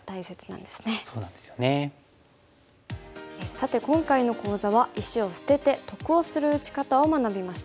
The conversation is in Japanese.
さて今回の講座は石を捨てて得をする打ち方を学びました。